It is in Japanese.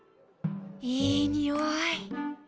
いいにおい。